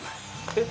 えっ？